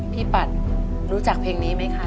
ปัดรู้จักเพลงนี้ไหมคะ